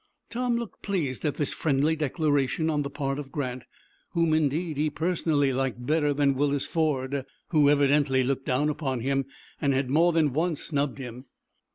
Tom looked pleased at this friendly declaration on the part of Grant, whom, indeed, he personally liked better than Willis Ford, who evidently looked down upon him, and had more than once snubbed him.